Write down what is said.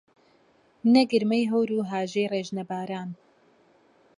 نە گرمەی هەور و هاژەی ڕێژنە باران